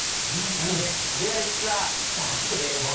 なので食べ歩きツアースタートです。